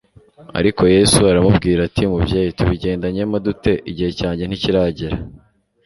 Ariko Yesu aramubwira ati,” Mubyeyi, tubigendanyemo dute? Igihe cyanjye ntikiragera.